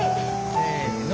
せの。